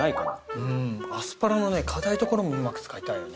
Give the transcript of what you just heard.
うーんアスパラのかたいところもうまく使いたいよね